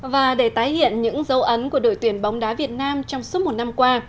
và để tái hiện những dấu ấn của đội tuyển bóng đá việt nam trong suốt một năm qua